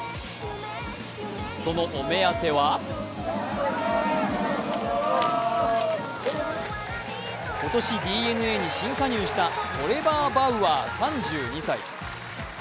そのお目当ては今年、ＤｅＮＡに新加入したトレバー・バウアー投手３２歳。